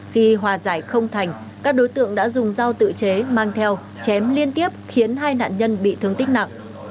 khi hòa giải không thành các đối tượng đã dùng dao tự chế mang theo chém liên tiếp khiến hai nạn nhân bị thương tích nặng